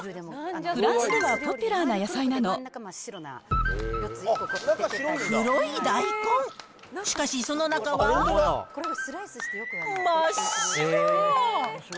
フランスではポピュラーな野菜な黒い大根、しかし、その中は真っ白。